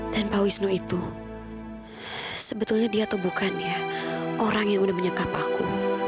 dan pak wisnu itu sebetulnya dia atau bukan ya orang yang udah menyekap aku